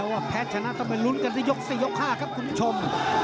แล้วแพ้ชนะต้องไปลุ้นกันยก๔ยก๕ครับคุณชม